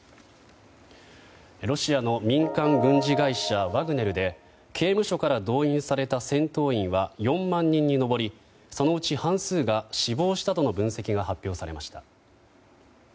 ロシアの民間軍事会社ワグネルで刑務所から動員された戦闘員は４万人に上りそのうち半数が死亡したとの分析が発表されました。